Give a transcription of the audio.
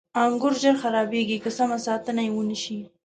• انګور ژر خرابېږي که سمه ساتنه یې ونه شي.